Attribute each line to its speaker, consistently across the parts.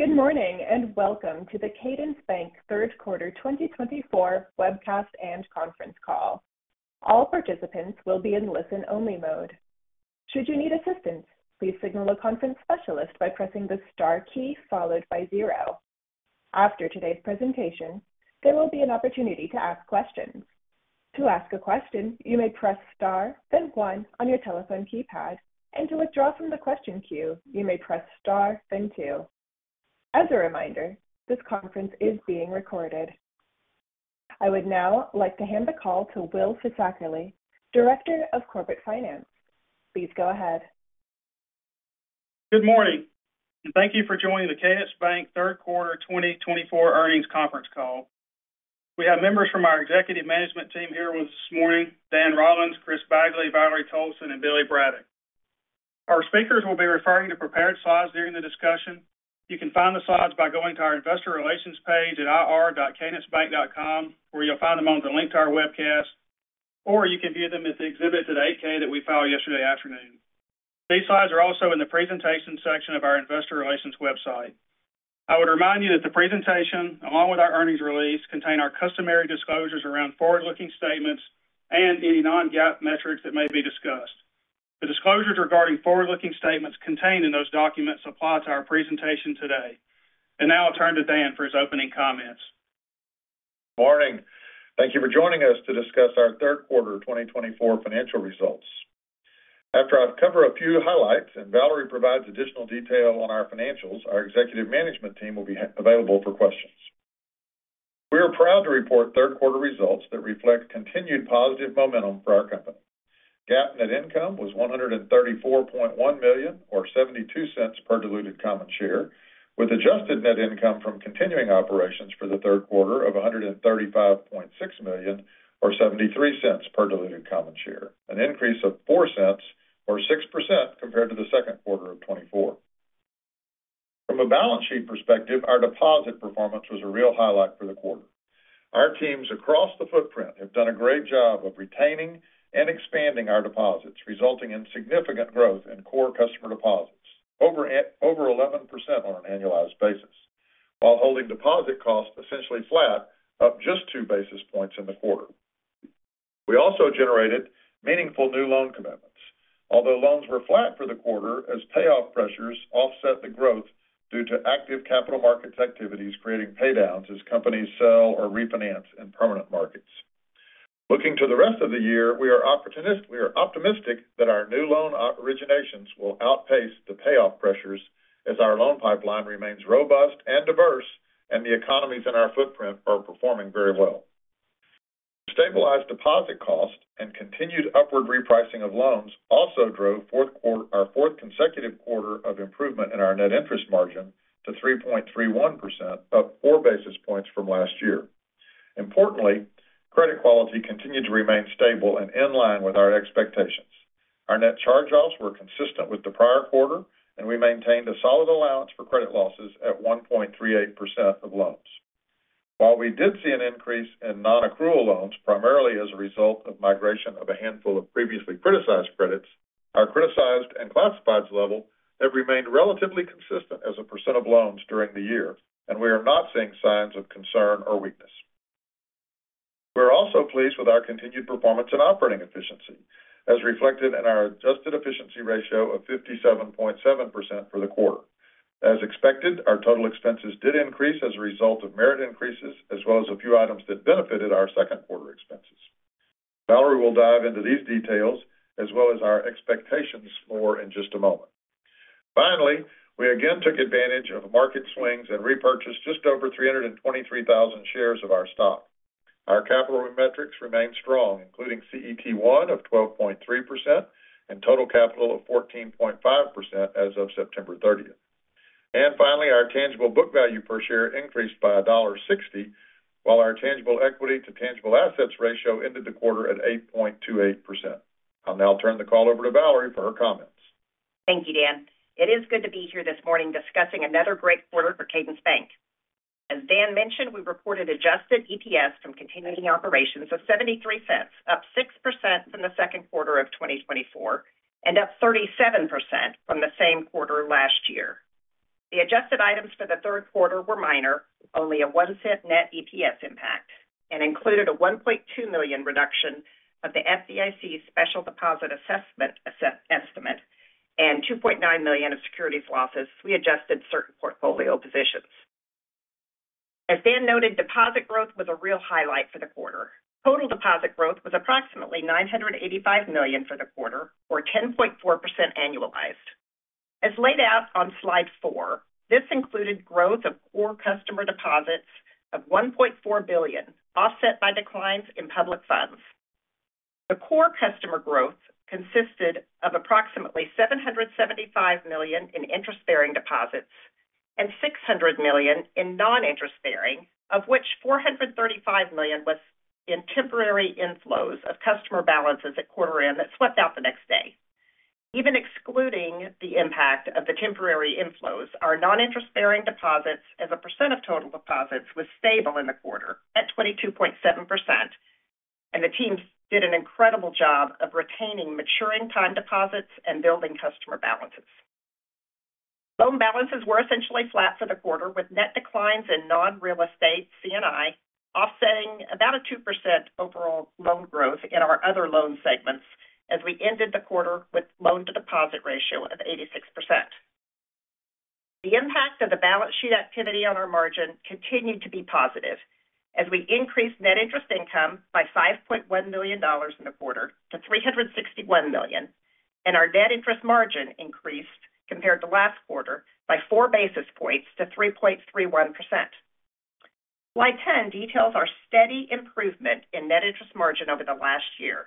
Speaker 1: Good morning, and welcome to the Cadence Bank Third Quarter 2024 Webcast and Conference Call. All participants will be in listen-only mode. Should you need assistance, please signal a conference specialist by pressing the star key followed by zero. After today's presentation, there will be an opportunity to ask questions. To ask a question, you may press star, then one on your telephone keypad, and to withdraw from the question queue, you may press star, then two. As a reminder, this conference is being recorded. I would now like to hand the call to Will Fisackerly, Director of Corporate Finance. Please go ahead.
Speaker 2: Good morning, and thank you for joining the Cadence Bank Third Quarter 2024 earnings conference call. We have members from our executive management team here with us this morning, Dan Rollins, Chris Bagley, Valerie Toalson, and Billy Braddock. Our speakers will be referring to prepared slides during the discussion. You can find the slides by going to our investor relations page at ir.cadencebank.com, where you'll find them on the link to our webcast, or you can view them at the exhibits at the 8-K that we filed yesterday afternoon. These slides are also in the presentation section of our investor relations website. I would remind you that the presentation, along with our earnings release, contain our customary disclosures around forward-looking statements and any non-GAAP metrics that may be discussed. The disclosures regarding forward-looking statements contained in those documents apply to our presentation today. Now I'll turn to Dan for his opening comments.
Speaker 3: Morning. Thank you for joining us to discuss our third quarter 2024 financial results. After I've covered a few highlights and Valerie provides additional detail on our financials, our executive management team will be available for questions. We are proud to report third quarter results that reflect continued positive momentum for our company. GAAP net income was $134.1 million, or $0.72 per diluted common share, with adjusted net income from continuing operations for the third quarter of $135.6 million, or $0.73 per diluted common share, an increase of $0.04 or 6% compared to the second quarter of 2024. From a balance sheet perspective, our deposit performance was a real highlight for the quarter. Our teams across the footprint have done a great job of retaining and expanding our deposits, resulting in significant growth in core customer deposits, over 11% on an annualized basis, while holding deposit costs essentially flat, up just two basis points in the quarter. We also generated meaningful new loan commitments, although loans were flat for the quarter as payoff pressures offset the growth due to active capital markets activities, creating paydowns as companies sell or refinance in permanent markets. Looking to the rest of the year, we are optimistic that our new loan originations will outpace the payoff pressures as our loan pipeline remains robust and diverse, and the economies in our footprint are performing very well. Stabilized deposit costs and continued upward repricing of loans also drove fourth quarter, our fourth consecutive quarter of improvement in our net interest margin to 3.31%, up four basis points from last year. Importantly, credit quality continued to remain stable and in line with our expectations. Our net charge-offs were consistent with the prior quarter, and we maintained a solid allowance for credit losses at 1.38% of loans. While we did see an increase in non-accrual loans, primarily as a result of migration of a handful of previously criticized credits, our criticized and classified level have remained relatively consistent as a percent of loans during the year, and we are not seeing signs of concern or weakness. We're also pleased with our continued performance and operating efficiency, as reflected in our adjusted efficiency ratio of 57.7% for the quarter. As expected, our total expenses did increase as a result of merit increases, as well as a few items that benefited our second quarter expenses. Valerie will dive into these details as well as our expectations more in just a moment. Finally, we again took advantage of market swings and repurchased just over 323,000 shares of our stock. Our capital metrics remain strong, including CET1 of 12.3% and total capital of 14.5% as of September thirtieth. Finally, our tangible book value per share increased by $1.60, while our tangible equity to tangible assets ratio ended the quarter at 8.28%. I'll now turn the call over to Valerie for her comments.
Speaker 4: Thank you, Dan. It is good to be here this morning discussing another great quarter for Cadence Bank. As Dan mentioned, we reported adjusted EPS from continuing operations of $0.73, up 6% from the second quarter of 2024 and up 37% from the same quarter last year. The adjusted items for the third quarter were minor, only a $0.01 net EPS impact, and included a $1.2 million reduction of the FDIC's special deposit assessment asset estimate and $2.9 million of securities losses as we adjusted certain portfolio positions. As Dan noted, deposit growth was a real highlight for the quarter. Total deposit growth was approximately $985 million for the quarter, or 10.4% annualized. As laid out on slide four, this included growth of core customer deposits of $1.4 billion, offset by declines in public funds. The core customer growth consisted of approximately $775 million in interest-bearing deposits and $600 million in non-interest-bearing, of which $435 million was in temporary inflows of customer balances at quarter end that swept out the next day. Even excluding the impact of the temporary inflows, our non-interest-bearing deposits as a percent of total deposits was stable in the quarter at 22.7%, and the teams did an incredible job of retaining maturing time deposits and building customer balances. Loan balances were essentially flat for the quarter, with net declines in non-real estate C&I offsetting about a 2% overall loan growth in our other loan segments as we ended the quarter with loan-to-deposit ratio of 86%. The impact of the balance sheet activity on our margin continued to be positive as we increased net interest income by $5.1 million in the quarter to $361 million, and our net interest margin increased compared to last quarter by four basis points to 3.31%. Slide 10 details our steady improvement in net interest margin over the last year.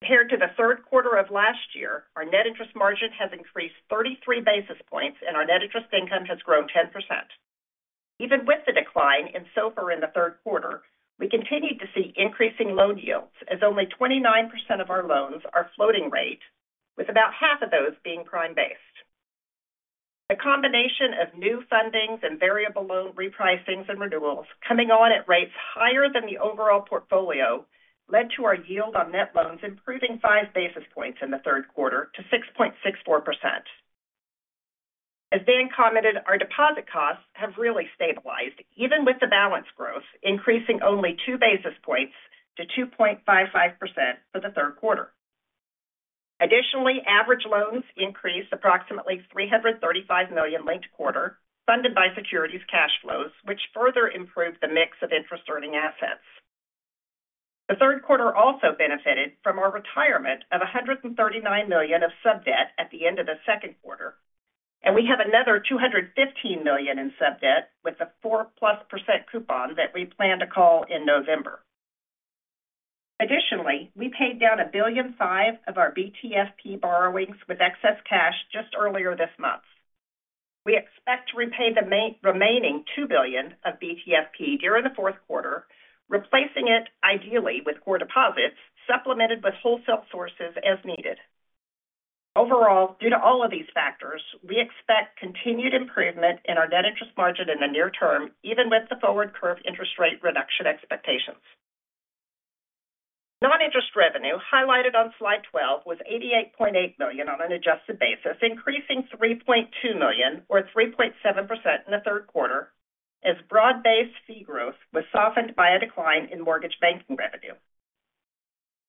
Speaker 4: Compared to the third quarter of last year, our net interest margin has increased 33 basis points, and our net interest income has grown 10%. Even with the decline in SOFR in the third quarter, we continued to see increasing loan yields, as only 29% of our loans are floating rate, with about half of those being prime-based. A combination of new fundings and variable loan repricings and renewals coming on at rates higher than the overall portfolio led to our yield on net loans improving five basis points in the third quarter to 6.64%. As Dan commented, our deposit costs have really stabilized, even with the balance growth increasing only two basis points to 2.55% for the third quarter. Additionally, average loans increased approximately $335 million linked quarter, funded by securities cash flows, which further improved the mix of interest-earning assets. The third quarter also benefited from our retirement of $139 million of sub debt at the end of the second quarter, and we have another $215 million in sub debt with a 4+% coupon that we plan to call in November. Additionally, we paid down $1.5 billion of our BTFP borrowings with excess cash just earlier this month. We expect to repay the remaining $2 billion of BTFP during the fourth quarter, replacing it ideally with core deposits, supplemented with wholesale sources as needed. Overall, due to all of these factors, we expect continued improvement in our net interest margin in the near term, even with the forward curve interest rate reduction expectations. Non-interest revenue, highlighted on slide 12, was $88.8 million on an adjusted basis, increasing $3.2 million or 3.7% in the third quarter, as broad-based fee growth was softened by a decline in mortgage banking revenue.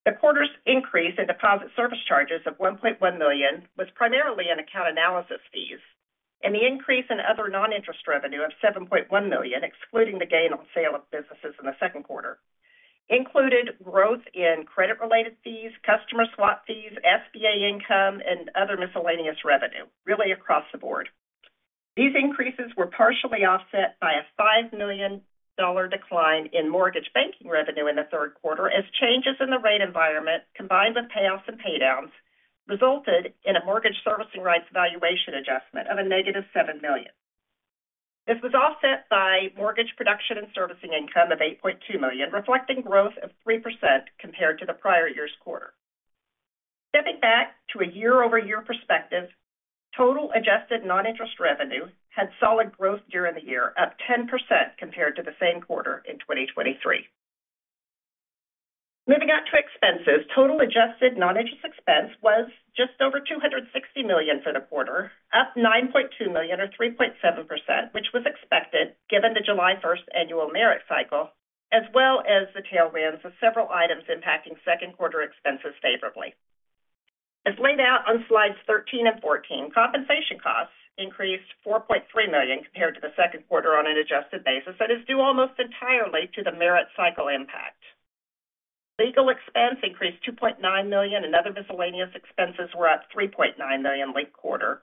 Speaker 4: The quarter's increase in deposit service charges of $1.1 million was primarily in account analysis fees, and the increase in other non-interest revenue of $7.1 million, excluding the gain on sale of businesses in the second quarter, included growth in credit-related fees, customer swap fees, SBA income, and other miscellaneous revenue, really across the board. These increases were partially offset by a $5 million decline in mortgage banking revenue in the third quarter, as changes in the rate environment, combined with payoffs and paydowns, resulted in a mortgage servicing rights valuation adjustment of -$7 million. This was offset by mortgage production and servicing income of $8.2 million, reflecting growth of 3% compared to the prior year's quarter. Stepping back to a year-over-year perspective, total adjusted non-interest revenue had solid growth during the year, up 10% compared to the same quarter in 2023. Moving on to expenses, total adjusted non-interest expense was just over $260 million for the quarter, up $9.2 million or 3.7%, which was expected given the July 1st annual merit cycle, as well as the tailwinds of several items impacting second quarter expenses favorably. As laid out on slides 13 and 14, compensation costs increased $4.3 million compared to the second quarter on an adjusted basis, that is due almost entirely to the merit cycle impact. Legal expense increased $2.9 million, and other miscellaneous expenses were at $3.9 million last quarter,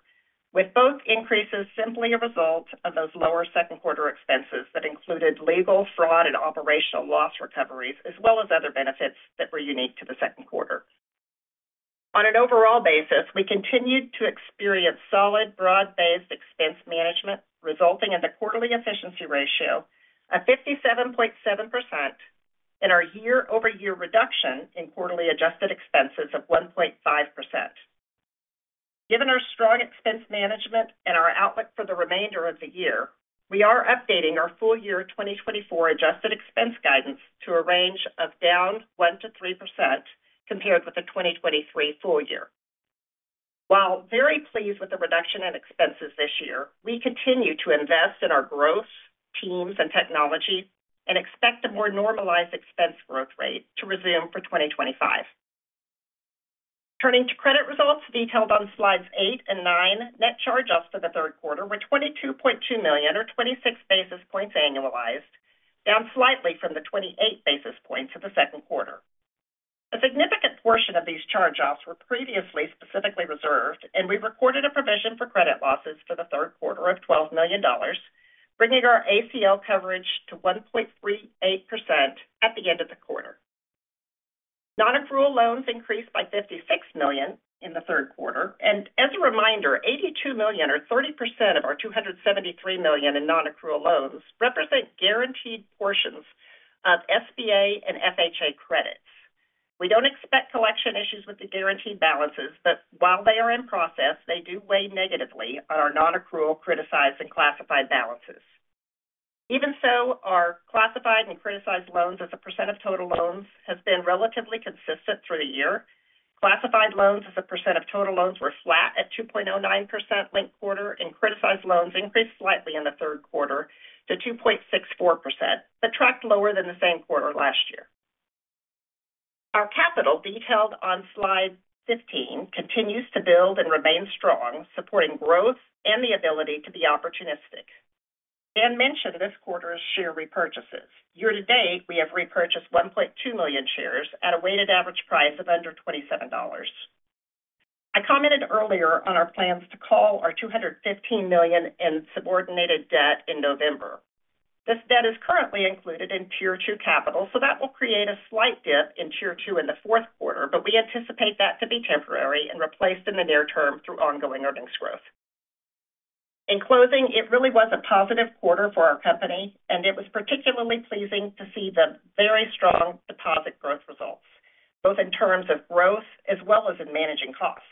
Speaker 4: with both increases simply a result of those lower second quarter expenses that included legal, fraud, and operational loss recoveries, as well as other benefits that were unique to the second quarter. On an overall basis, we continued to experience solid, broad-based expense management, resulting in the quarterly efficiency ratio of 57.7% and our year-over-year reduction in quarterly adjusted expenses of 1.5%. Given our strong expense management and our outlook for the remainder of the year, we are updating our full year 2024 adjusted expense guidance to a range of down 1%-3% compared with the 2023 full year. While very pleased with the reduction in expenses this year, we continue to invest in our growth, teams, and technology and expect a more normalized expense growth rate to resume for 2025. Turning to credit results detailed on slides eight and nine, net charge-offs for the third quarter were $22.2 million, or 26 basis points annualized, down slightly from the 28 basis points for the second quarter. A significant portion of these charge-offs were previously specifically reserved, and we recorded a provision for credit losses for the third quarter of $12 million, bringing our ACL coverage to 1.38% at the end of the quarter. Non-accrual loans increased by $56 million in the third quarter, and as a reminder, $82 million, or 30% of our $273 million in non-accrual loans, represent guaranteed portions of SBA and FHA credits. We don't expect collection issues with the guaranteed balances, but while they are in process, they do weigh negatively on our non-accrual, criticized, and classified balances. Even so, our classified and criticized loans as a percent of total loans has been relatively consistent through the year. Classified loans as a percent of total loans were flat at 2.09% linked quarter, and criticized loans increased slightly in the third quarter to 2.64%, but tracked lower than the same quarter last year. Our capital, detailed on slide 15, continues to build and remain strong, supporting growth and the ability to be opportunistic. Dan mentioned this quarter's share repurchases. Year to date, we have repurchased 1.2 million shares at a weighted average price of under $27. I commented earlier on our plans to call our $215 million in subordinated debt in November. This debt is currently included in Tier 2 capital, so that will create a slight dip in Tier 2 in the fourth quarter, but we anticipate that to be temporary and replaced in the near term through ongoing earnings growth. In closing, it really was a positive quarter for our company, and it was particularly pleasing to see the very strong deposit growth results, both in terms of growth as well as in managing costs.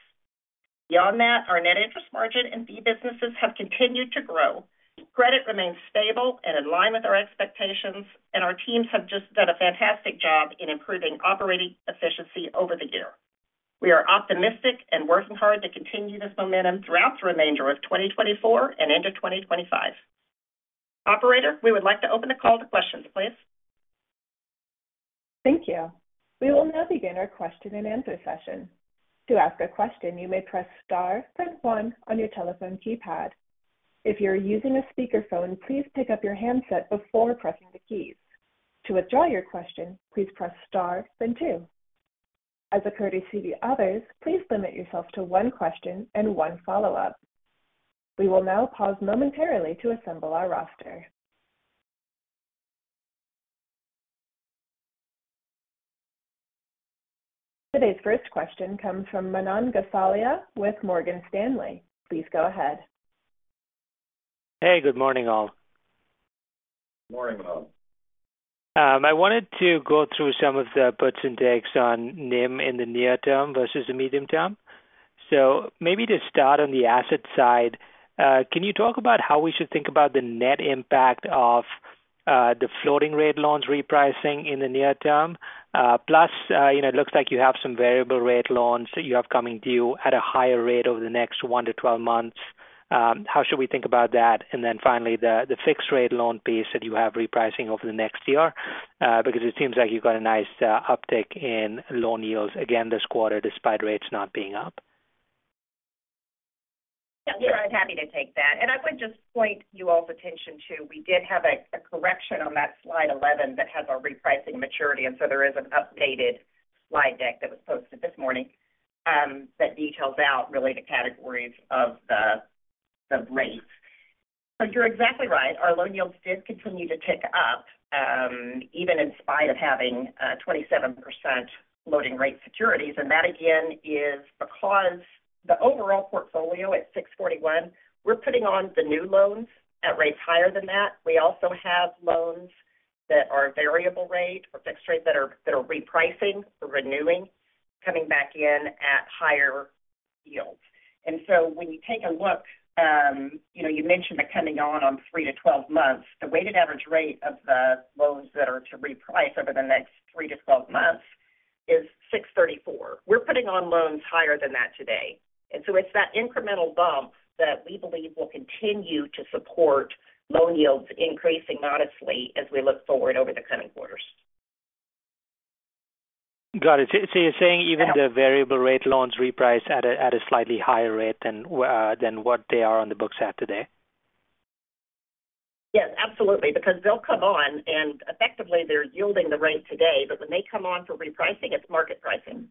Speaker 4: Beyond that, our net interest margin and fee businesses have continued to grow. Credit remains stable and in line with our expectations, and our teams have just done a fantastic job in improving operating efficiency over the year. We are optimistic and working hard to continue this momentum throughout the remainder of 2024 and into 2025. Operator, we would like to open the call to questions, please.
Speaker 1: Thank you. We will now begin our question-and-answer session. To ask a question, you may press star then one on your telephone keypad. If you're using a speakerphone, please pick up your handset before pressing the keys. To withdraw your question, please press star then two. As a courtesy to the others, please limit yourself to one question and one follow-up. We will now pause momentarily to assemble our roster. Today's first question comes from Manan Gosalia with Morgan Stanley. Please go ahead.
Speaker 5: Hey, good morning, all.
Speaker 3: Good morning, Manan.
Speaker 5: I wanted to go through some of the puts and takes on NIM in the near term versus the medium term. So maybe to start on the asset side, can you talk about how we should think about the net impact of the floating rate loans repricing in the near term? Plus, you know, it looks like you have some variable rate loans that you have coming due at a higher rate over the next one to 12 months. How should we think about that? And then finally, the fixed rate loan piece that you have repricing over the next year, because it seems like you've got a nice uptick in loan yields again this quarter, despite rates not being up.
Speaker 4: Yeah, I'm happy to take that. I would just point you all's attention to. We did have a correction on that slide 11 that has our repricing maturity, and so there is an updated slide deck that was posted this morning that details out really the categories of the rates. But you're exactly right. Our loan yields did continue to tick up even in spite of having 27% floating rate securities, and that, again, is because the overall portfolio at 6.41%, we're putting on the new loans at rates higher than that. We also have loans that are variable rate or fixed rate that are repricing or renewing, coming back in at higher yields. And so when you take a look, you know, you mentioned the coming on in three to 12 months. The weighted average rate of the loans that are to reprice over the next three to 12 months is 6.34%. We're putting on loans higher than that today, and so it's that incremental bump that we believe will continue to support loan yields increasing modestly as we look forward over the coming quarters.
Speaker 5: Got it. So you're saying even the variable rate loans reprice at a slightly higher rate than what they are on the books at today?
Speaker 4: Yes, absolutely, because they'll come on and effectively they're yielding the rate today, but when they come on for repricing, it's market pricing.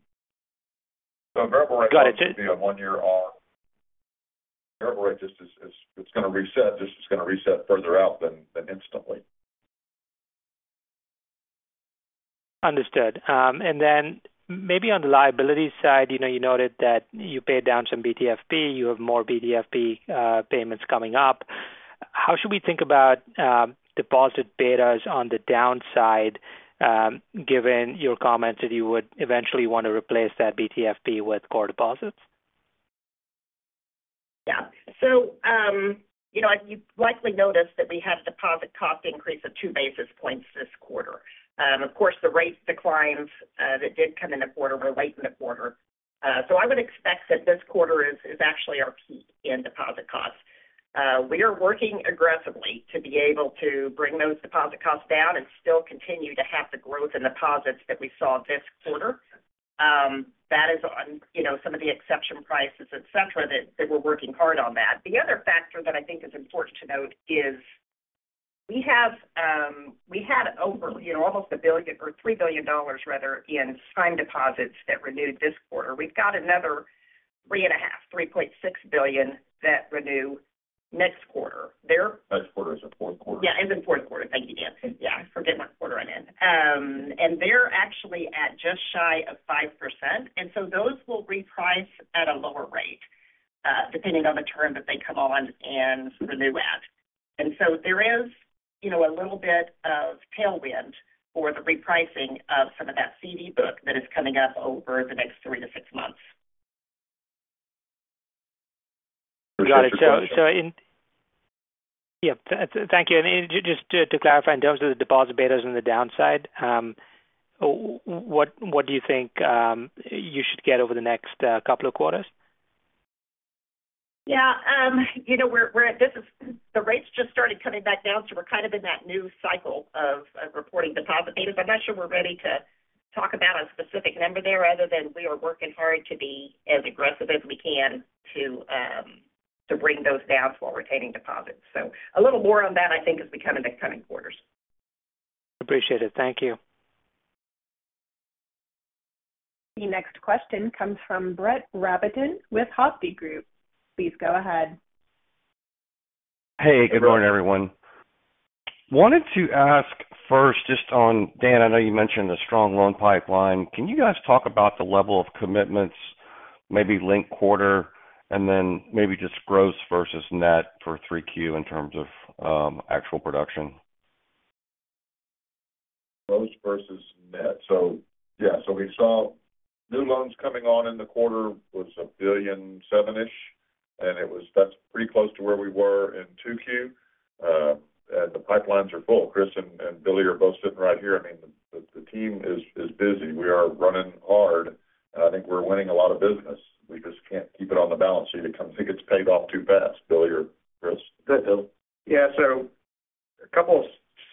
Speaker 3: So variable rate.
Speaker 5: Got it.
Speaker 3: It's a one-year ARM. Variable rate just is, it's gonna reset further out than instantly.
Speaker 5: Understood. And then maybe on the liability side, you know, you noted that you paid down some BTFP. You have more BTFP payments coming up. How should we think about deposit betas on the downside, given your comments that you would eventually want to replace that BTFP with core deposits?
Speaker 4: Yeah. So, you know, you've likely noticed that we had a deposit cost increase of two basis points this quarter. Of course, the rate declines that did come in the quarter were late in the quarter. So I would expect that this quarter is actually our peak in deposit costs. We are working aggressively to be able to bring those deposit costs down and still continue to have the growth in deposits that we saw this quarter. That is on, you know, some of the exception prices, et cetera, that we're working hard on that. The other factor that I think is important to note is we had over, you know, almost a billion or $3 billion rather, in time deposits that renewed this quarter. We've got another $3.5, $3.6 billion that renew next quarter. They're.
Speaker 3: Next quarter, as in fourth quarter.
Speaker 4: Yeah, in fourth quarter. Thank you, Dan. Yeah, I forget my quarter on end. And they're actually at just shy of 5%, and so those will reprice at a lower rate, depending on the term that they come on and renew at. And so there is, you know, a little bit of tailwind for the repricing of some of that CD book that is coming up over the next three to six months.
Speaker 5: Got it. Thank you. Just to clarify, in terms of the deposit betas on the downside, what do you think you should get over the next couple of quarters?
Speaker 4: Yeah, you know, the rates just started coming back down, so we're kind of in that new cycle of reporting deposit betas. I'm not sure we're ready to talk about a specific number there, other than we are working hard to be as aggressive as we can to bring those down while retaining deposits. So a little more on that, I think, as we come in the coming quarters.
Speaker 5: Appreciate it. Thank you.
Speaker 1: The next question comes from Brett Rabatin with Hovde Group. Please go ahead.
Speaker 6: Hey, good morning, everyone. Wanted to ask first, just on Dan. I know you mentioned the strong loan pipeline. Can you guys talk about the level of commitments, maybe linked quarter, and then maybe just gross versus net for 3Q in terms of actual production?
Speaker 3: Gross versus net, so yeah, so we saw new loans coming on in the quarter was $1.7 billion-ish, and it was. That's pretty close to where we were in 2Q. And the pipelines are full. Chris and Billy are both sitting right here. I mean, the team is busy. We are running hard, and I think we're winning a lot of business. We just can't keep it on the balance sheet. It comes, it gets paid off too fast. Billy or Chris? Go ahead, Bill.
Speaker 7: Yeah, so a couple of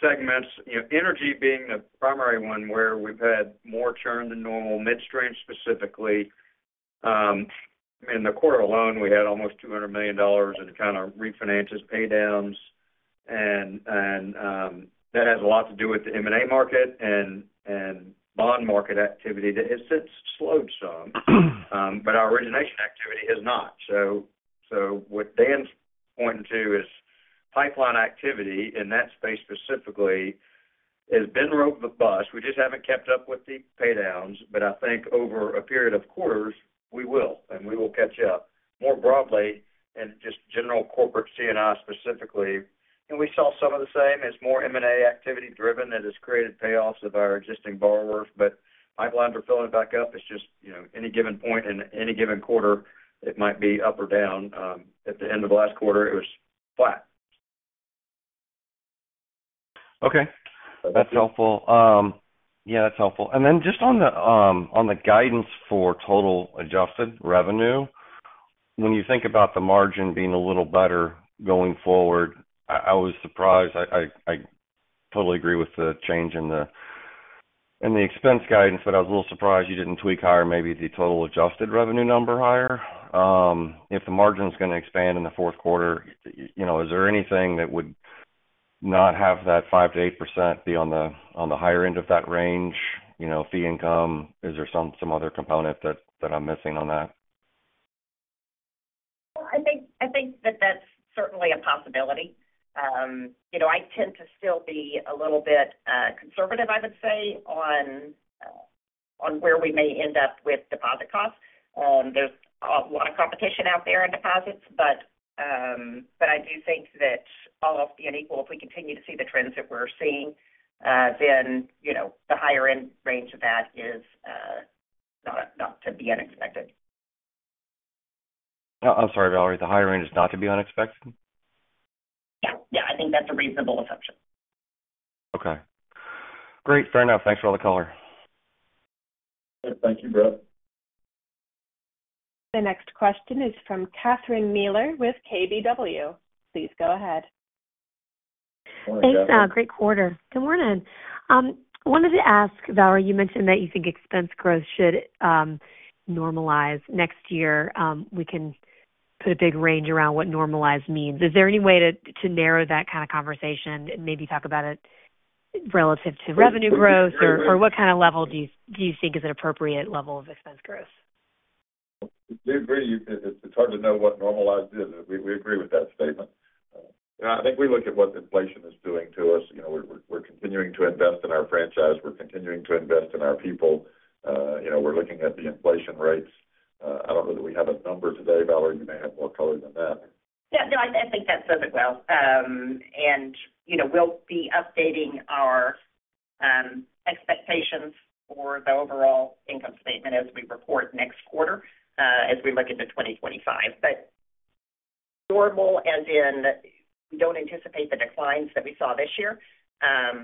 Speaker 7: segments, you know, energy being the primary one, where we've had more churn than normal, midstream, specifically. In the quarter alone, we had almost $200 million in kind of refinances, paydowns. That has a lot to do with the M&A market and bond market activity that has since slowed some, but our origination activity has not. What Dan's pointing to is pipeline activity in that space specifically has been robust. We just haven't kept up with the paydowns, but I think over a period of quarters, we will, and we will catch up. More broadly, and just general corporate C&I specifically, and we saw some of the same as more M&A activity driven that has created payoffs of our existing borrower, but pipelines are filling back up. It's just, you know, any given point in any given quarter, it might be up or down. At the end of last quarter, it was flat.
Speaker 6: Okay. That's helpful. Yeah, that's helpful. And then just on the guidance for total adjusted revenue, when you think about the margin being a little better going forward, I totally agree with the change in the expense guidance, but I was a little surprised you didn't tweak higher maybe the total adjusted revenue number higher. If the margin's going to expand in the fourth quarter, you know, is there anything that would not have that 5%-8% be on the higher end of that range, you know, fee income? Is there some other component that I'm missing on that?
Speaker 4: I think that that's certainly a possibility. You know, I tend to still be a little bit conservative, I would say, on where we may end up with deposit costs. There's a lot of competition out there in deposits, but I do think that all else being equal, if we continue to see the trends that we're seeing, then you know, the higher end range of that is not to be unexpected.
Speaker 6: I'm sorry, Valerie, the higher end is not to be unexpected?
Speaker 4: Yeah. Yeah, I think that's a reasonable assumption.
Speaker 6: Okay. Great. Fair enough. Thanks for all the color.
Speaker 3: Thank you, Brett.
Speaker 1: The next question is from Catherine Mealor with KBW. Please go ahead.
Speaker 3: Good morning, Catherine.
Speaker 8: Thanks, great quarter. Good morning. Wanted to ask, Valerie, you mentioned that you think expense growth should normalize next year. We can put a big range around what normalized means. Is there any way to narrow that kind of conversation and maybe talk about it relative to revenue growth, or what kind of level do you think is an appropriate level of expense growth?
Speaker 3: We agree. It's hard to know what normalized is. We agree with that statement. I think we look at what inflation is doing to us. You know, we're continuing to invest in our franchise. We're continuing to invest in our people. You know, we're looking at the inflation rates. I don't know that we have a number today. Valerie, you may have more color than that.
Speaker 4: Yeah, no, I think that says it well, and you know, we'll be updating our expectations for the overall income statement as we report next quarter, as we look into 2025. But normal as in, we don't anticipate the declines that we saw this year,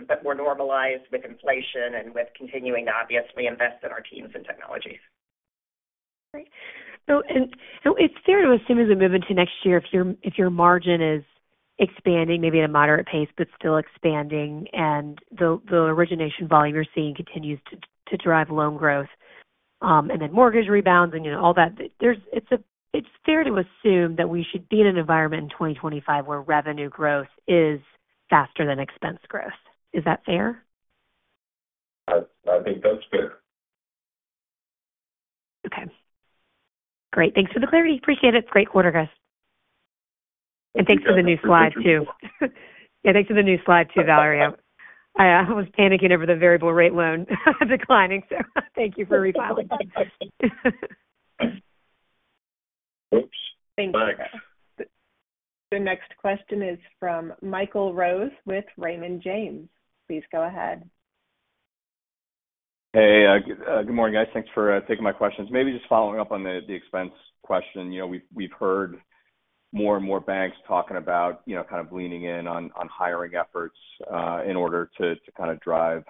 Speaker 4: but we're normalized with inflation and with continuing to obviously invest in our teams and technologies.
Speaker 8: Great. So it's fair to assume as we move into next year, if your margin is expanding, maybe at a moderate pace, but still expanding, and the origination volume you're seeing continues to drive loan growth, and then mortgage rebounds and, you know, all that, it's fair to assume that we should be in an environment in 2025 where revenue growth is faster than expense growth. Is that fair?
Speaker 3: I think that's fair.
Speaker 8: Okay. Great. Thanks for the clarity. Appreciate it. Great quarter, guys.
Speaker 4: Thanks for the new slide, too. Yeah, thanks for the new slide, too, Valerie. I, I was panicking over the variable rate loan declining, so thank you for replying.
Speaker 3: Oops.
Speaker 8: Thanks.
Speaker 1: The next question is from Michael Rose with Raymond James. Please go ahead.
Speaker 9: Hey, good morning, guys. Thanks for taking my questions. Maybe just following up on the expense question. You know, we've heard more and more banks talking about, you know, kind of leaning in on hiring efforts in order to kind of drive,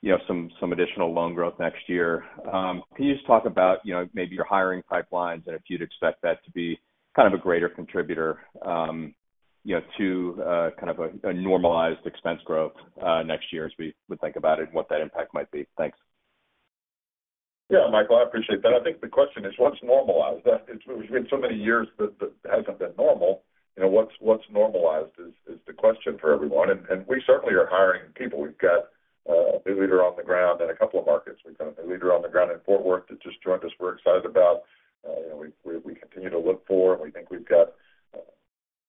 Speaker 9: you know, some additional loan growth next year. Can you just talk about, you know, maybe your hiring pipelines and if you'd expect that to be kind of a greater contributor, you know, to kind of a normalized expense growth next year as we would think about it and what that impact might be? Thanks.
Speaker 3: Yeah, Michael, I appreciate that. I think the question is, what's normalized? It's been so many years that that hasn't been normal. You know, what's normalized is the question for everyone, and we certainly are hiring people. We've got a new leader on the ground in a couple of markets. We've got a leader on the ground in Fort Worth that just joined us, we're excited about. You know, we continue to look for, and we think we've got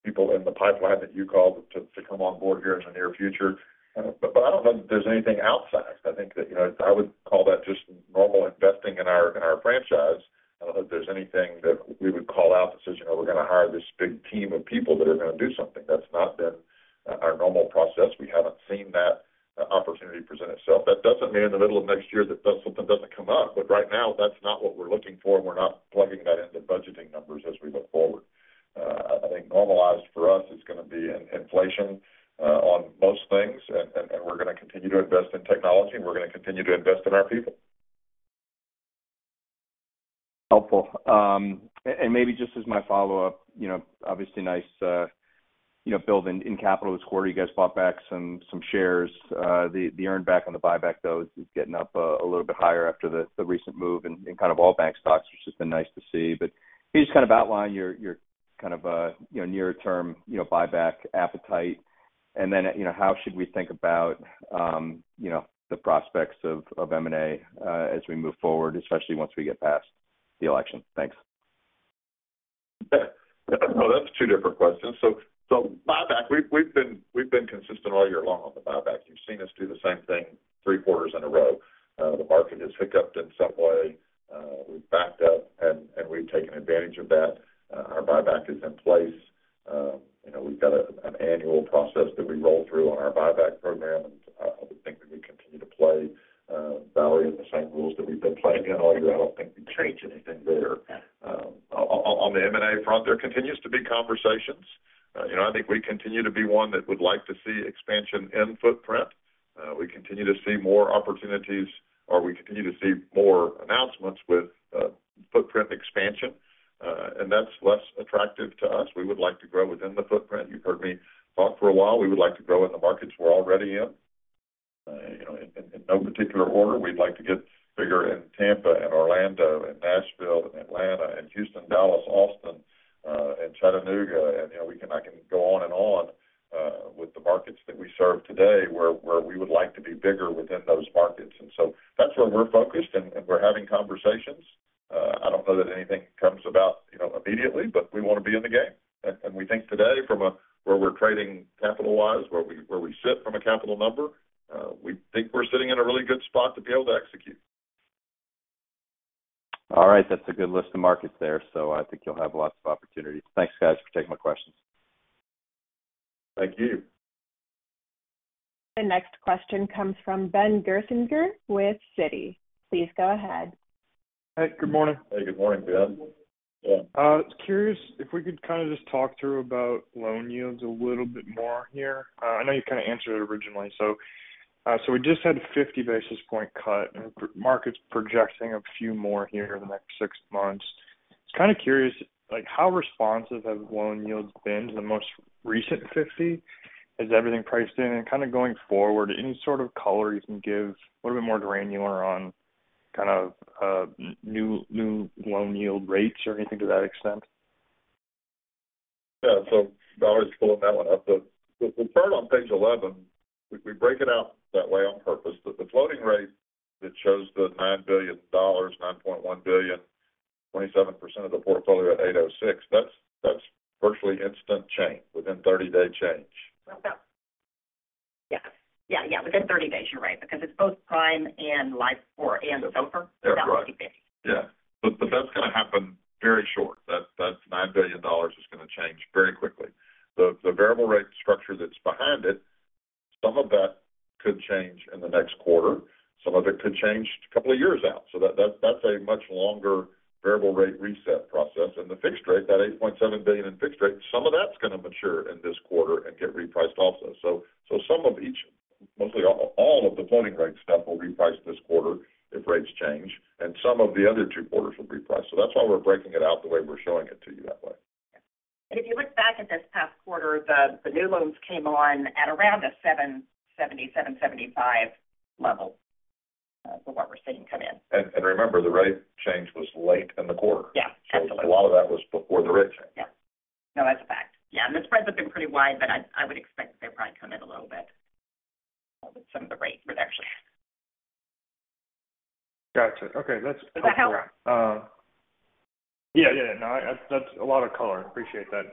Speaker 3: people in the pipeline that you called to come on board here in the near future. But I don't know that there's anything outsized. I think that, you know, I would call that just normal investing in our franchise. I don't know that there's anything that we would call out that says, "You know, we're going to hire this big team of people that are going to do something." That's not been our normal process. We haven't seen that opportunity present itself. That doesn't mean in the middle of next year that the something doesn't come up, but right now, that's not what we're looking for, and we're not plugging that into budgeting numbers as we look forward. I think normalized for us is going to be in inflation on most things, and we're going to continue to invest in technology, and we're going to continue to invest in our people.
Speaker 9: Helpful. And maybe just as my follow-up, you know, obviously nice, you know, build in capital this quarter. You guys bought back some shares. The earn back on the buyback, though, is getting up a little bit higher after the recent move in kind of all bank stocks, which has been nice to see. But can you just kind of outline your kind of, you know, near term, you know, buyback appetite? And then, you know, how should we think about the prospects of M&A as we move forward, especially once we get past the election? Thanks.
Speaker 3: That's two different questions. So buyback, we've been consistent all year long on the buyback. You've seen us do the same thing three quarters in a row. The market has hiccuped in some way, we've backed up, and we've taken advantage of that. Our buyback is in place. You know, we've got an annual process that we roll through on our buyback program, and I would think that we continue to play, Valerie, in the same rules that we've been playing in all year. I don't think we change anything there. On the M&A front, there continues to be conversations. You know, I think we continue to be one that would like to see expansion in footprint. We continue to see more opportunities, or we continue to see more announcements with footprint expansion, and that's less attractive to us. We would like to grow within the footprint. You've heard me talk for a while. We would like to grow in the markets we're already in. You know, in no particular order, we'd like to get bigger in Tampa and Orlando and Nashville and Atlanta and Houston, Dallas, Austin, and Chattanooga. And you know, we can - I can go on and on with the markets that we serve today, where we would like to be bigger within those markets. And so that's where we're focused, and we're having conversations. I don't know that anything comes about, you know, immediately, but we want to be in the game. We think today, from where we're trading capital-wise, where we sit from a capital number, we think we're sitting in a really good spot to be able to execute.
Speaker 9: All right. That's a good list of markets there, so I think you'll have lots of opportunities. Thanks, guys, for taking my questions.
Speaker 3: Thank you.
Speaker 1: The next question comes from Ben Gerlinger with Citi. Please go ahead.
Speaker 10: Hey, good morning.
Speaker 3: Hey, good morning, Ben. Yeah.
Speaker 10: Just curious if we could kind of just talk through about loan yields a little bit more here. I know you kind of answered it originally. So, we just had a 50 basis point cut, and the market's projecting a few more here in the next six months. Just kind of curious, like, how responsive have loan yields been to the most recent 50? Is everything priced in, and kind of going forward, any sort of color you can give, a little bit more granular on kind of, new loan yield rates or anything to that extent?
Speaker 3: Yeah. Valerie's pulling that one up. The chart on page 11, we break it out that way on purpose. But the floating rate that shows the $9 billion, $9.1 billion, 27% of the portfolio at 8.06%, that's virtually instant change, within 30-day change.
Speaker 4: Yeah. Yeah, yeah, within 30 days, you're right, because it's both prime and LIBOR and SOFR.
Speaker 3: Yeah, right. Yeah, but that's going to happen very short. That nine billion dollars is going to change very quickly. The variable rate structure that's behind it, some of that could change in the next quarter, some of it could change a couple of years out. So that's a much longer variable rate reset process. And the fixed rate, that $8.7 billion in fixed rate, some of that's going to mature in this quarter and get repriced also. So some of each, mostly all of the floating rate stuff will reprice this quarter if rates change, and some of the other two quarters will reprice. So that's why we're breaking it out the way we're showing it to you that way.
Speaker 4: If you look back at this past quarter, the new loans came on at around a 7.70-7.75 level, from what we're seeing come in.
Speaker 3: Remember, the rate change was late in the quarter.
Speaker 4: Yeah, absolutely.
Speaker 3: So a lot of that was before the rate change.
Speaker 4: Yeah. No, that's a fact. Yeah, and the spreads have been pretty wide, but I would expect some of the rate reductions.
Speaker 10: Gotcha. Okay, that's.
Speaker 4: Does that help?
Speaker 10: Yeah, yeah. No, that's a lot of color. Appreciate that.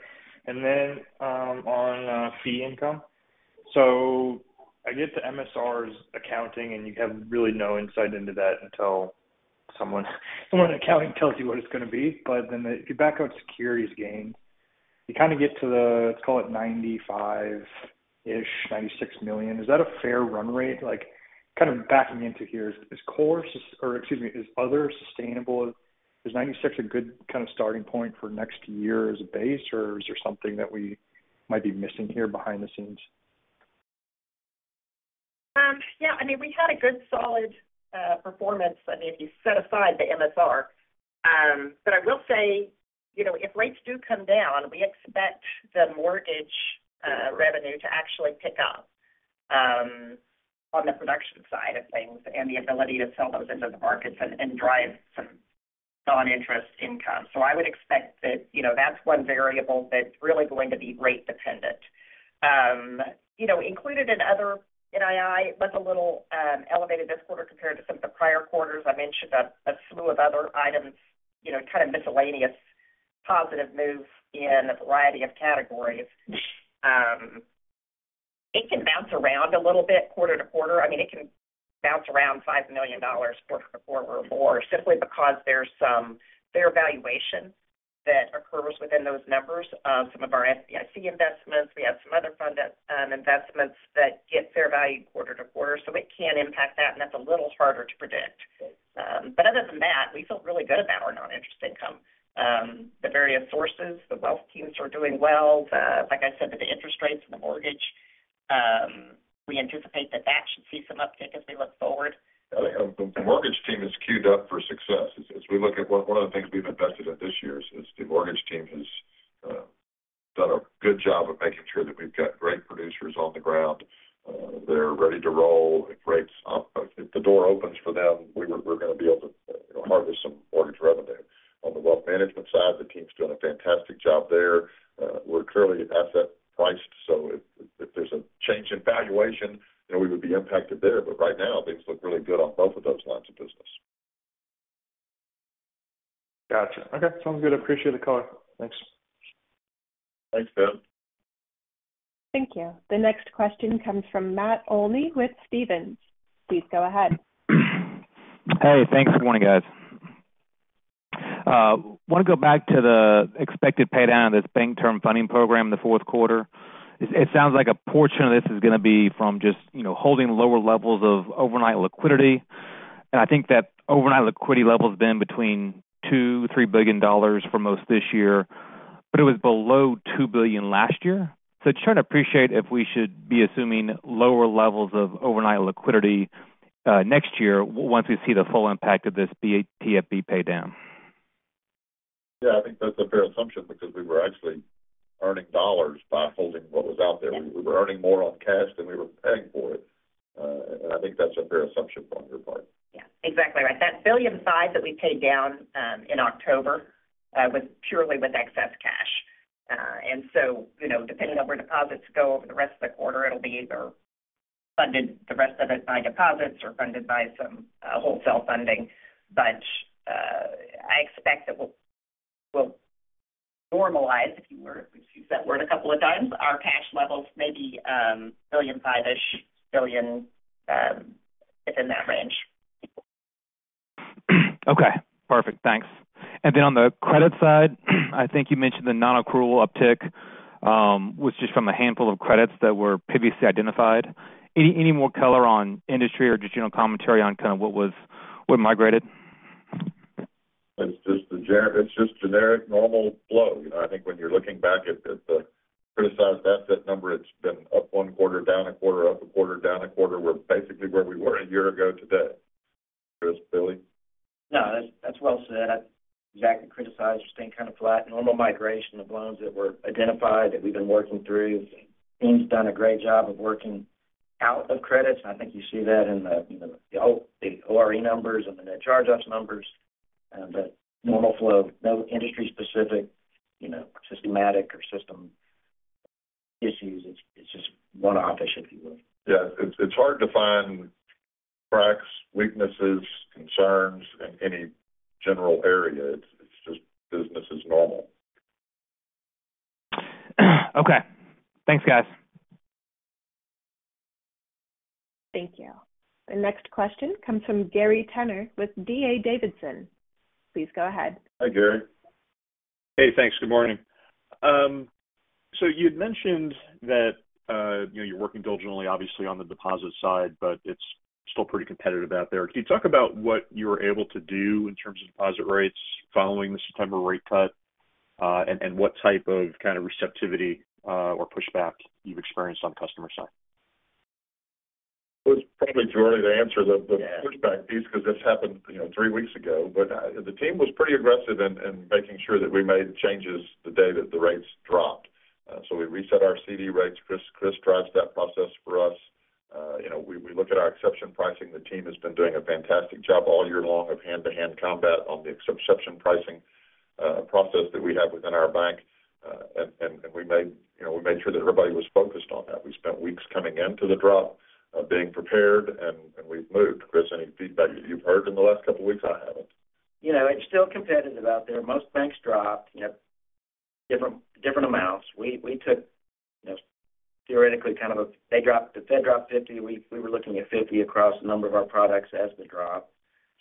Speaker 10: And then, on, fee income. So I get the MSRs accounting, and you have really no insight into that until someone in accounting tells you what it's going to be. But then if you back out securities gain, you kind of get to the, let's call it $95-ish, $96 million. Is that a fair run rate? Like, kind of backing into here, is core or excuse me, is other sustainable? Is $96 million a good kind of starting point for next year as a base, or is there something that we might be missing here behind the scenes?
Speaker 4: Yeah, I mean, we had a good, solid performance, I mean, if you set aside the MSR. But I will say, you know, if rates do come down, we expect the mortgage revenue to actually pick up on the production side of things and the ability to sell those into the markets and, and drive some non-interest income. So I would expect that, you know, that's one variable that's really going to be rate dependent. You know, included in other NII was a little elevated this quarter compared to some of the prior quarters. I mentioned a slew of other items, you know, kind of miscellaneous positive moves in a variety of categories. It can bounce around a little bit quarter to quarter. I mean, it can bounce around $5 million quarter to quarter or more, simply because there's some fair valuation that occurs within those numbers. Some of our FDIC investments, we have some other fund investments that get fair value quarter to quarter, so it can impact that, and that's a little harder to predict. But other than that, we feel really good about our non-interest income. The various sources, the wealth teams are doing well. Like I said, with the interest rates and the mortgage, we anticipate that that should see some uptick as we look forward.
Speaker 3: The mortgage team is cued up for success. As we look at one of the things we've invested in this year is the mortgage team has done a good job of making sure that we've got great producers on the ground. They're ready to roll if rates, if the door opens for them, we're going to be able to, you know, harvest some mortgage revenue. On the wealth management side, the team's doing a fantastic job there. We're clearly asset priced, so if there's a change in valuation, you know, we would be impacted there. But right now, things look really good on both of those lines of business.
Speaker 10: Gotcha. Okay, sounds good. I appreciate the color. Thanks.
Speaker 3: Thanks, Ben.
Speaker 1: Thank you. The next question comes from Matt Olney with Stephens. Please go ahead.
Speaker 11: Hey, thanks. Good morning, guys. Want to go back to the expected paydown of this Bank Term Funding Program in the fourth quarter. It sounds like a portion of this is going to be from just, you know, holding lower levels of overnight liquidity. And I think that overnight liquidity level has been between $2-3 billion for most this year, but it was below $2 billion last year. So I'm trying to anticipate if we should be assuming lower levels of overnight liquidity next year once we see the full impact of this BTFP paydown.
Speaker 3: Yeah, I think that's a fair assumption because we were actually earning dollars by holding what was out there.
Speaker 4: Yeah.
Speaker 3: We were earning more on cash than we were paying for it, and I think that's a fair assumption on your part.
Speaker 4: Yeah, exactly right. That $1.5 billion that we paid down in October was purely with excess cash. And so, you know, depending on where deposits go over the rest of the quarter, it'll be either funded the rest of it by deposits or funded by some wholesale funding. But I expect that we'll normalize, if you were, we've used that word a couple of times. Our cash levels may be $1.5 billion-ish-$1 billion within that range.
Speaker 11: Okay, perfect. Thanks. And then on the credit side, I think you mentioned the non-accrual uptick was just from a handful of credits that were previously identified. Any more color on industry or just general commentary on kind of what, what migrated?
Speaker 3: It's just generic, normal flow. You know, I think when you're looking back at, at the criticized asset number, it's been up one quarter, down a quarter, up a quarter, down a quarter. We're basically where we were a year ago today. Chris, Billy?
Speaker 12: No, that's, that's well said. Exactly, criticized loans are staying kind of flat. Normal migration of loans that were identified, that we've been working through. Team's done a great job of working out of credits. I think you see that in the, you know, the ORE numbers and the net charge-offs numbers, but normal flow, no industry specific, you know, systematic or systemic issues. It's, it's just one-off issue, if you will.
Speaker 3: Yeah, it's hard to find cracks, weaknesses, concerns in any general area. It's just business as normal.
Speaker 11: Okay. Thanks, guys.
Speaker 1: Thank you. The next question comes from Gary Tenner with D.A. Davidson. Please go ahead.
Speaker 3: Hi, Gary.
Speaker 13: Hey, thanks. Good morning. So you'd mentioned that, you know, you're working diligently, obviously, on the deposit side, but it's still pretty competitive out there. Can you talk about what you were able to do in terms of deposit rates following the September rate cut, and what type of receptivity, or pushback you've experienced on the customer side?
Speaker 3: Well, it's probably too early to answer the. Yeah Pushback piece because this happened, you know, three weeks ago, but the team was pretty aggressive in making sure that we made changes the day that the rates dropped, so we reset our CD rates. Chris drives that process for us. You know, we look at our exception pricing. The team has been doing a fantastic job all year long of hand-to-hand combat on the exception pricing, a process that we have within our bank, and we made sure that everybody was focused on that. We spent weeks coming into the drop, being prepared, and we've moved. Chris, any feedback that you've heard in the last couple weeks? I haven't.
Speaker 12: You know, it's still competitive out there. Most banks dropped, you know, different amounts. We took, you know, theoretically, kind of, the Fed dropped fifty. We were looking at fifty across a number of our products as the drop.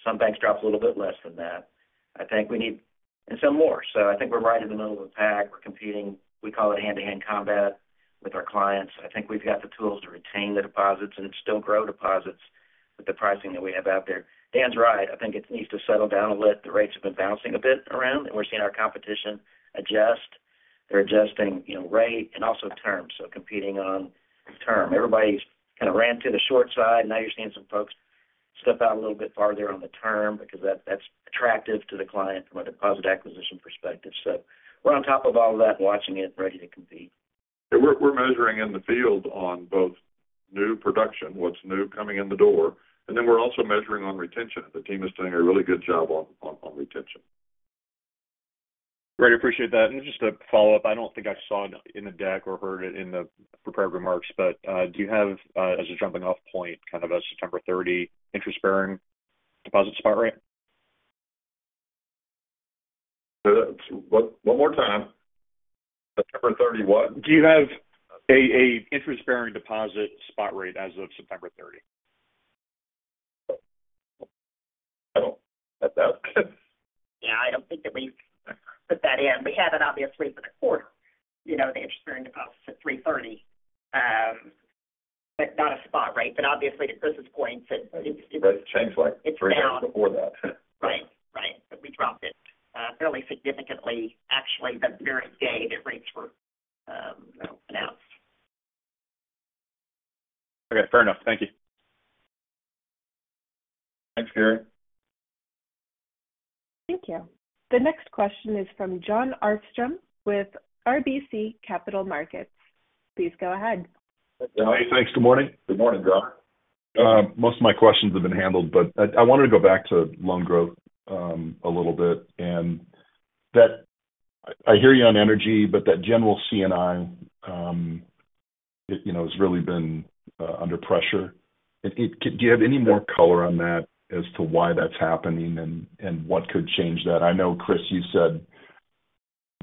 Speaker 12: Some banks dropped a little bit less than that and some more, so I think we're right in the middle of the pack. We're competing, we call it hand-to-hand combat, with our clients. I think we've got the tools to retain the deposits and still grow deposits with the pricing that we have out there. Dan's right, I think it needs to settle down a little. The rates have been bouncing a bit around, and we're seeing our competition adjust. They're adjusting, you know, rate and also terms, so competing on term. Everybody's kind of ran to the short side, now you're seeing some folks step out a little bit farther on the term, because that- that's attractive to the client from a deposit acquisition perspective. So we're on top of all that, watching it, ready to compete.
Speaker 3: We're measuring in the field on both new production, what's new coming in the door, and then we're also measuring on retention. The team is doing a really good job on retention.
Speaker 13: Great, appreciate that. And just a follow-up, I don't think I saw in the deck or heard it in the prepared remarks, but, do you have, as a jumping-off point, kind of a September thirty interest-bearing deposit spot rate?
Speaker 3: One more time. September thirty what?
Speaker 13: Do you have a interest-bearing deposit spot rate as of September thirty?
Speaker 3: I don't. That's out.
Speaker 4: Yeah, I don't think that we've put that in. We had it, obviously, for the quarter, you know, the interest-bearing deposits at 3.30, but not a spot rate, but obviously, to Chris's point, it.
Speaker 3: Rates changed, like, three days before that.
Speaker 4: Right. Right. But we dropped it fairly significantly, actually, the very day that rates were announced.
Speaker 13: Okay, fair enough. Thank you.
Speaker 3: Thanks, Gary.
Speaker 1: Thank you. The next question is from Jon Arfstrom with RBC Capital Markets. Please go ahead.
Speaker 14: Hey, thanks. Good morning.
Speaker 3: Good morning, Jon.
Speaker 14: Most of my questions have been handled, but I wanted to go back to loan growth a little bit, and I hear you on energy, but that general C&I you know has really been under pressure. Do you have any more color on that as to why that's happening and what could change that? I know, Chris, you said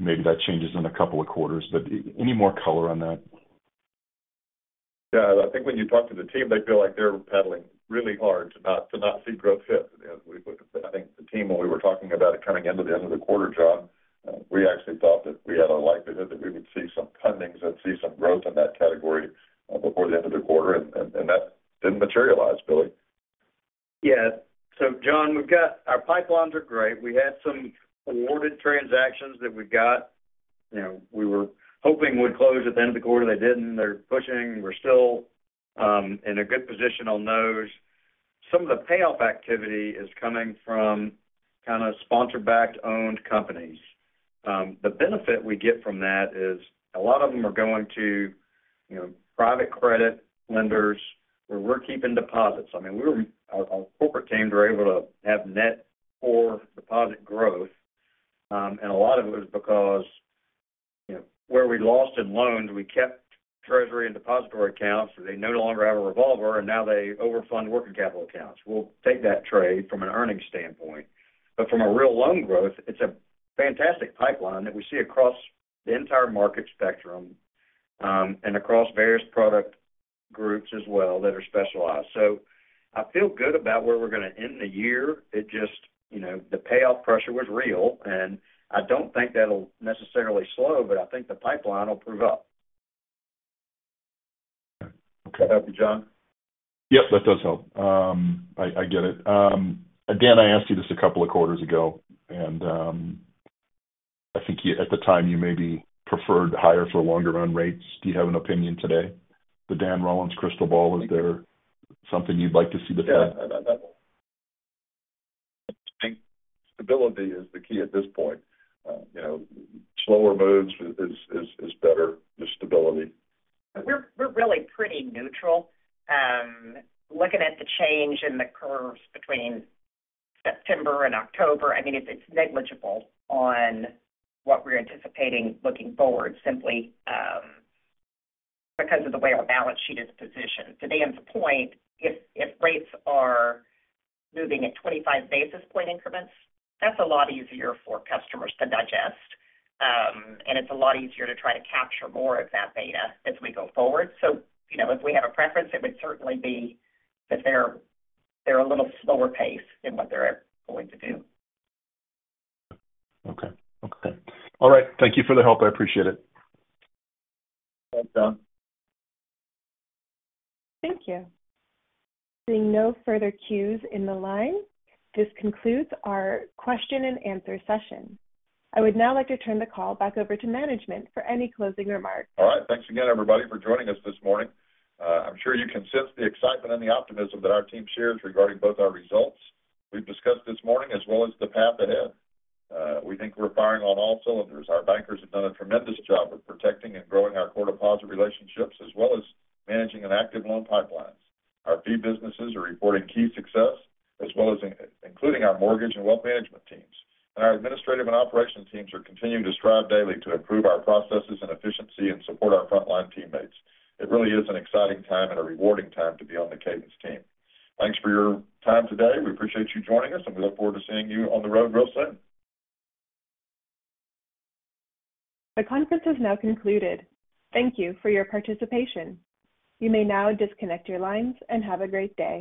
Speaker 14: maybe that changes in a couple of quarters, but any more color on that?
Speaker 3: Yeah, I think when you talk to the team, they feel like they're paddling really hard to not see growth hit, as we've looked at that. I think the team, when we were talking about it coming into the end of the quarter, Jon, we actually thought that we had a likelihood that we would see some fundings and see some growth in that category before the end of the quarter, and that didn't materialize, Billy.
Speaker 7: Yes, so Jon, we've got our pipelines are great. We had some awarded transactions that we've got, you know, we were hoping would close at the end of the quarter. They didn't, and they're pushing. We're still in a good position on those. Some of the payoff activity is coming from kind of sponsor-backed, owned companies. The benefit we get from that is a lot of them are going to, you know, private credit lenders where we're keeping deposits. I mean, our corporate teams are able to have net core deposit growth, and a lot of it is because, you know, where we lost in loans, we kept treasury and depository accounts. They no longer have a revolver, and now they overfund working capital accounts. We'll take that trade from an earnings standpoint. But from a real loan growth, it's a fantastic pipeline that we see across the entire market spectrum, and across various product groups as well, that are specialized. So I feel good about where we're gonna end the year. It just, you know, the payoff pressure was real, and I don't think that'll necessarily slow, but I think the pipeline will prove up.
Speaker 3: Okay, does that help you, Jon?
Speaker 14: Yep, that does help. I get it. Again, I asked you this a couple of quarters ago, and I think you, at the time, you maybe preferred higher for longer run rates. Do you have an opinion today? The Dan Rollins crystal ball, is there something you'd like to see the-
Speaker 3: Yeah. I think stability is the key at this point. You know, slower moves is better, just stability.
Speaker 4: We're really pretty neutral. Looking at the change in the curves between September and October, I mean, it's negligible on what we're anticipating looking forward, simply, because of the way our balance sheet is positioned. To Dan's point, if rates are moving at 25 basis point increments, that's a lot easier for customers to digest, and it's a lot easier to try to capture more of that beta as we go forward, so you know, if we had a preference, it would certainly be that they're a little slower pace in what they're going to do.
Speaker 14: Okay. Okay. All right. Thank you for the help. I appreciate it.
Speaker 3: Thanks, Jon.
Speaker 1: Thank you. Seeing no further cues in the line, this concludes our question and answer session. I would now like to turn the call back over to management for any closing remarks.
Speaker 3: All right. Thanks again, everybody, for joining us this morning. I'm sure you can sense the excitement and the optimism that our team shares regarding both our results we've discussed this morning as well as the path ahead. We think we're firing on all cylinders. Our bankers have done a tremendous job of protecting and growing our core deposit relationships, as well as managing an active loan pipelines. Our fee businesses are reporting key success, as well as including our mortgage and wealth management teams. And our administrative and operations teams are continuing to strive daily to improve our processes and efficiency and support our frontline teammates. It really is an exciting time and a rewarding time to be on the Cadence team. Thanks for your time today. We appreciate you joining us, and we look forward to seeing you on the road real soon.
Speaker 1: The conference has now concluded. Thank you for your participation. You may now disconnect your lines, and have a great day.